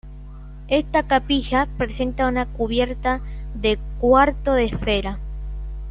Esta capilla presenta una cubierta de cuarto de esfera.